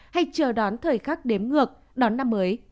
hay chờ đón thời khắc đếm ngược đón năm mới